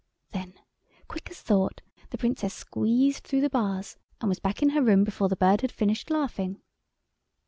Then, quick as thought, the Princess squeezed through the bars, and was back in her room before the bird had finished laughing.